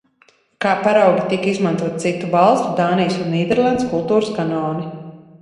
Kā paraugi tika izmantoti citu valstu – Dānijas un Nīderlandes kultūras kanoni.